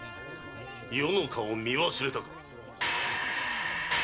余の顔を見忘れたか。